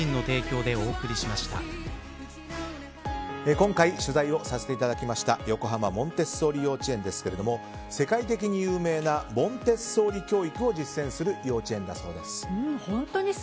今回取材をさせていただきました横浜・モンテッソーリ幼稚園ですけれども世界的に有名なモンテッソーリ教育を実践する幼稚園だそうです。